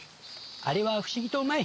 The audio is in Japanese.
あれは不思議とうまい。